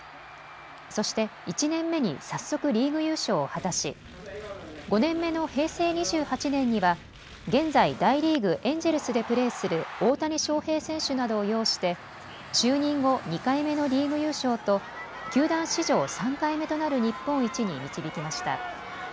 そして１年目に早速、リーグ優勝を果たし５年目の平成２８年には現在、大リーグ、エンジェルスでプレーする大谷翔平選手などを擁して就任後２回目のリーグ優勝と球団史上３回目となる日本一に導きました。